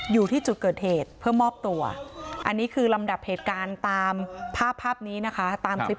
เพื่อมอบตัวอันนี้คือลำดับเหตุการณ์ตามภาพนี้นะคะตาม